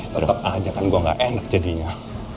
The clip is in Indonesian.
tetep aja kan gue ga enak jadinya